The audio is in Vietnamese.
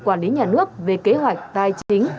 quản lý nhà nước về kế hoạch tài chính